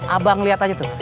abang liat aja tuh